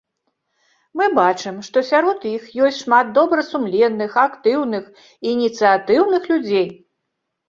Мы бачым, што сярод іх ёсць шмат добрасумленных, актыўных, ініцыятыўных людзей.